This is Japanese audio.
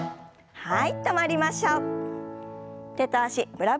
はい。